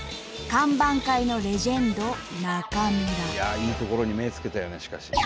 いいところに目つけたよねしかし。